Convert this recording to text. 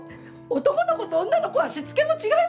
男の子と女の子はしつけも違いますよ。